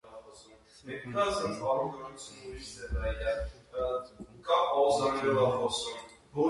Սակայն տարբերվում են օղակի լարվածությամբ և տարածական գործոններով։